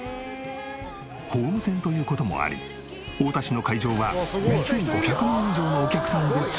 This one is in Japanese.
ホーム戦という事もあり太田市の会場は２５００人以上のお客さんで超満員！